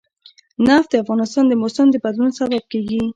نفت د افغانستان د موسم د بدلون سبب کېږي.